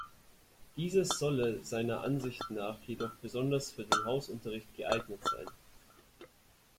Dieses solle seiner Ansicht nach jedoch besonders für den Hausunterricht geeignet sein.